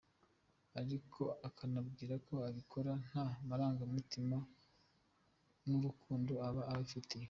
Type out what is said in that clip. Ariko akanambwira ko abikora nta marangamutima n’urukundo aba abafitiye.